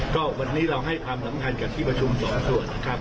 ก็วันนี้เราให้ความสำคัญกับที่ประชุมสองส่วนนะครับ